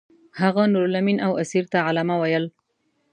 هغه نورالامین او اسیر ته علامه ویل.